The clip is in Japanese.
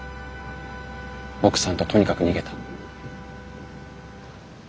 奥さんととにかく逃げた。